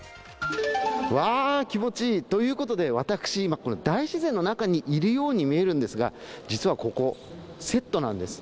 わー、気持ちいい、ということで私、今、大自然の中にいるように見えるんですが実はここ、セットなんです。